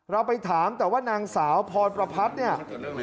เราไปถามแต่ว่านางสาวพรประพัฒน์เนี่ย